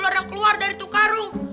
ada ular yang keluar dari tuh karung